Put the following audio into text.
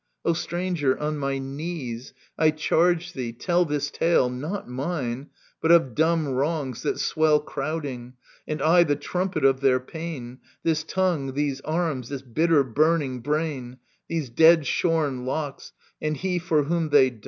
••. O Stranger, on my knees, I charge thee, tell This tale, not mine, but of dumb wrongs that swell Crowding — and I the trumpet of their pain, \This tongue, these arms, this bitter burning brain ; These dead shorn locks, and he for whom they